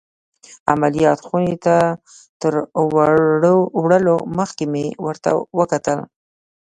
عمليات خونې ته تر وړلو مخکې مې ورته وکتل.